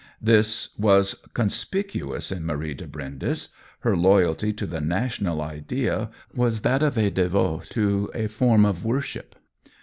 This was conspicuous in Marie de Brindes ; her loyalty to the national idea was that of a devote to a form of worship.